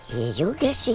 iya juga sih